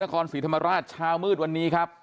นักฐานศรีธรรมราชชาวมืดวันนี้ครับ